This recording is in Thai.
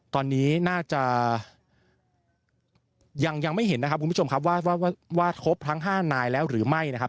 ตอนนี้น่าจะยังไม่เห็นนะครับคุณผู้ชมครับว่าครบทั้ง๕นายแล้วหรือไม่นะครับ